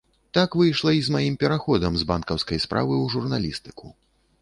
Так выйшла і з маім пераходам з банкаўскай справы ў журналістыку.